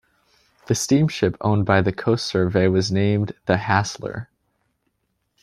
The steamship owned by the Coast Survey was named the "Hassler".